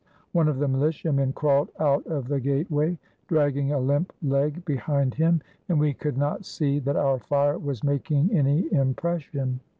One of the militiamen crawled out of the gateway, dragging a limp leg behind him, and we could not see that our fire was making any impression.